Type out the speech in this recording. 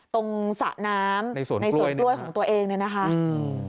ตรงสะน้ำในส่วนกล้วยของตัวเอง